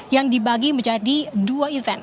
yang dibagi menjadi dua event